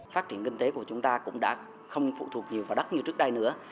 phát triển kinh tế của chúng ta cũng đã không phụ thuộc nhiều vào đất như trước đây nữa